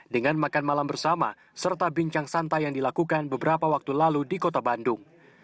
dengan makan malam bersama serta bincang santai yang dilakukan beberapa waktu lalu di kota bandung